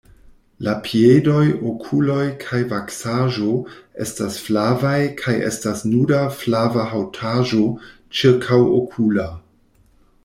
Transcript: La piedoj, okuloj kaj vaksaĵo estas flavaj kaj estas nuda flava haŭtaĵo ĉirkaŭokula.